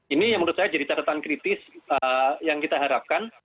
ini yang menurut saya jadi catatan kritis yang kita harapkan